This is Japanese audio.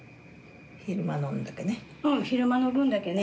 昼間飲むだけね。